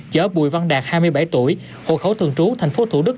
chở bùi văn đạt hai mươi bảy tuổi hộ khẩu thường trú thành phố thủ đức